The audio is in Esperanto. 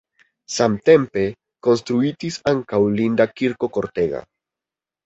Samtempe konstruitis ankaŭ linda kirko kortega.